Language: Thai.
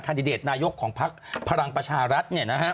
ดิเดตนายกของพักพลังประชารัฐ